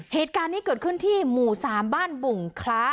เหตุการณ์นี้เกิดขึ้นที่หมู่๓บ้านบุ่งคล้า